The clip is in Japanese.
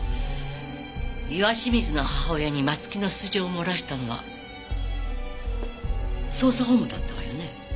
岩清水の母親に松木の素性を漏らしたのは捜査本部だったわよね。